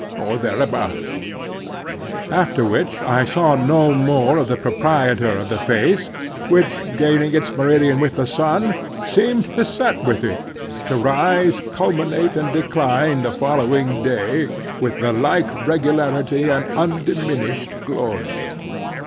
or thereabouts, after which I saw no more of the proprietor of the face, which gaining its meridian with the sun, seemed to set with it, to rise, culminate, and decline the following day, with the like regularity and undiminished glory.